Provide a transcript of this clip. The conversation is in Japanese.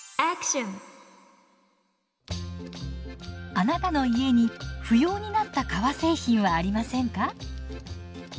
あなたの家に不要になった革製品はありませんか？